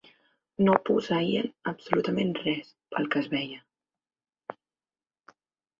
No posseïen absolutament res, pel que es veia